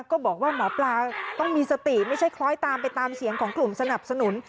ก็บอกว่าหมอปลาต้องมีสติไม่ใช่คล้อยตามไปตามเสียงของกลุ่มสนับสนุน